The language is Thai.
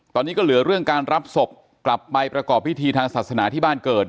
ตอนนี้ก็เหลือเรื่องการรับศพกลับไปประกอบพิธีทางศาสนาที่บ้านเกิด